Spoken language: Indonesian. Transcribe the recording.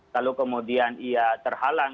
lalu kemudian ia terhalang